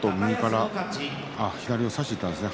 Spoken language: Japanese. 左を差しにいったんですね。